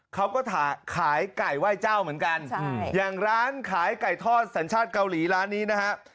เขาก็ขายไก่ไหว้เจ้าเหมือนกันอย่างร้านขายไก่ทอดสัญชาติเกาหลีร้านนี้นะฮะ